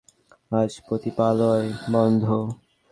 আজ পতিতালয় বন্ধ।